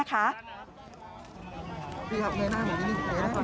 ดีครับแม่หน้าเหมือนกัน